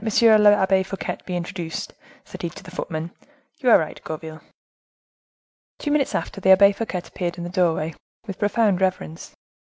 l'Abbe Fouquet be introduced," said he to the footman. "You are right, Gourville." Two minutes after, the Abbe Fouquet appeared in the doorway, with profound reverence.